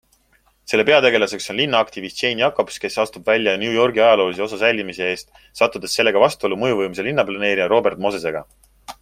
Selle peategelaseks on linnaaktivist Jane Jacobs, kes astub välja New Yorgi ajaloolise osa säilitamise eest, sattudes sellega vastuollu mõjuvõimsa linnaplaneerija Robert Mosesega.